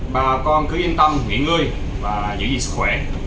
bà con cứ yên tâm nguyện ngươi và giữ gìn sức khỏe